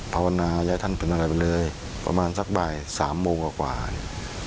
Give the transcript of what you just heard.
ภาวนาและท่านเป็นอะไรไปเลยประมาณสักบ่ายสามโมงกว่าเนี่ย